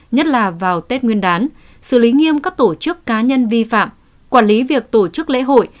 nhất là vào tết nguyên đán xử lý nghiêm các tổ chức cá nhân vi phạm quản lý việc tổ chức lễ hội